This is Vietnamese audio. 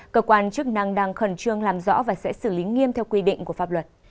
cơ quan chức năng đang khẩn trương làm rõ và sẽ xử lý nghiêm theo quy định của pháp luật